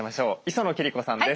磯野貴理子さんです。